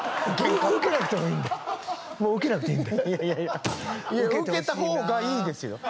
受けたほうがいいですよ